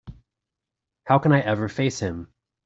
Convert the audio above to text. How can I ever face him?